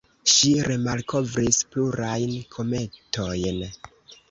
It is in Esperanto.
Ŝi remalkovris plurajn kometojn.